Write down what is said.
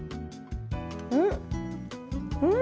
うん！